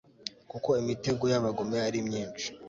kuko imitego y'abagome ari myinshi